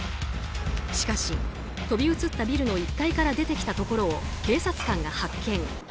しかし、飛び移ったビルの１階から出てきたところを警察官が発見。